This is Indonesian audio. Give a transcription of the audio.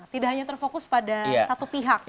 tidak hanya terfokus pada satu pihak